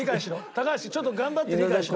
高橋ちょっと頑張って理解しろ。